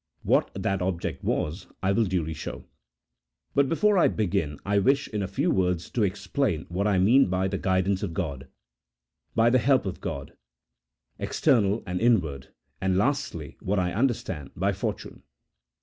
What that object was, I will duly show. But before I begin, I wish in a few words to explain what I mean by the guidance of God, by the help of God, external and inward, and, lastly, what I understand by fortune.